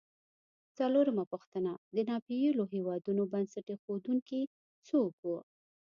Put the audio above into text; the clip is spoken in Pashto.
څلورمه پوښتنه: د ناپېیلو هېوادونو بنسټ ایښودونکي څوک و؟